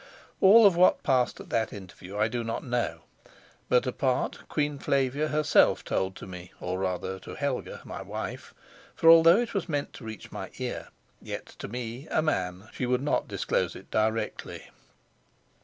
All of what passed at that interview I do not know, but a part Queen Flavia herself told to me, or rather to Helga, my wife; for although it was meant to reach my ear, yet to me, a man, she would not disclose it directly.